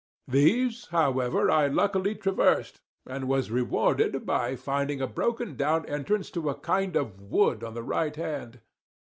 These, however, I luckily traversed, and was rewarded by finding a broken down entrance to a kind of wood on the right hand.